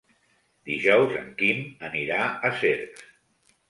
Dijous en Quim anirà a Cercs.